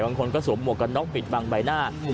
บางคนก็สวมหวกกันน็อกปิดบังใบหน้า